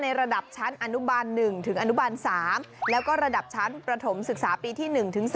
ในระดับชั้นอนุบัน๑๓แล้วก็ระดับชั้นประถมศึกษาปีที่๑๓